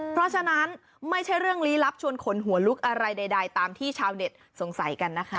เพราะฉะนั้นไม่ใช่เรื่องลี้ลับชวนขนหัวลุกอะไรใดตามที่ชาวเน็ตสงสัยกันนะคะ